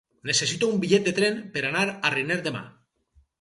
Necessito un bitllet de tren per anar a Riner demà.